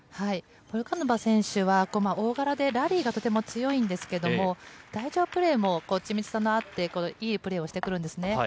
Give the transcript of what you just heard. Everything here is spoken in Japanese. ポルカノバ選手は、大柄でラリーがとても強いんですけれども、台上プレーも緻密さもあって、いいプレーをしてくるんですね。